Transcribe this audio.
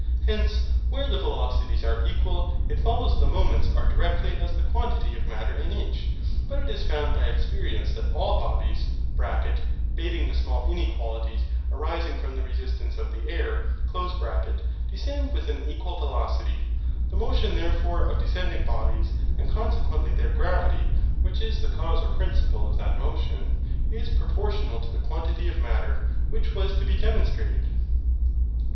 Hence, where the velocities are equal, it follows the moments are directly as the quantity of Matter in each. But it is found by experience that all bodies (bating the small inequalities, arising from the resistance of the air) descend with an equal velocity; the motion therefore of descending bodies, and consequently their gravity, which is the cause or principle of that motion, is proportional to the quantity of Matter; which was to be demonstrated.